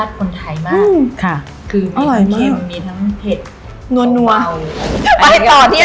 เดี๋ยวลองไปต่อที่เด้อ